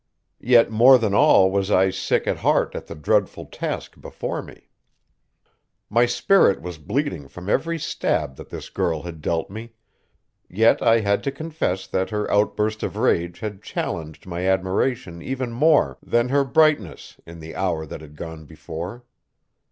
Yet, more than all was I sick at heart at the dreadful task before me. My spirit was bleeding from every stab that this girl had dealt me; yet I had to confess that her outburst of rage had challenged my admiration even more than her brightness in the hour that had gone before.